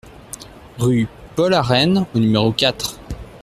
Rue Paul Aréne au numéro quatre